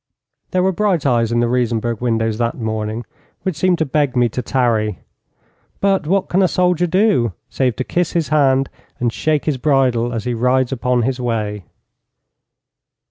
There were bright eyes in the Riesenberg windows that morning which seemed to beg me to tarry; but what can a soldier do, save to kiss his hand and shake his bridle as he rides upon his way?